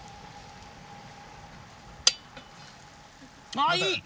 あっいい！